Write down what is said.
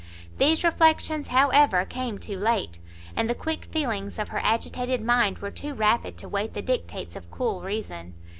These reflections, however, came too late, and the quick feelings of her agitated mind were too rapid to wait the dictates of cool reason.